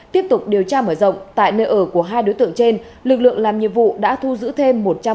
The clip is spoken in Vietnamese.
tiếp tục điều tra mở rộng tại nơi ở của hai đối tượng trên lực lượng làm nhiệm vụ đã thu giữ thêm